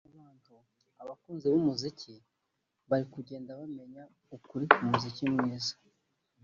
abantu(abakunzi b’umuziki) bari kugenda bamenya ukuri k’umuziki mwiza”